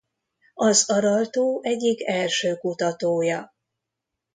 Az Aral-tó egyik első kutatója.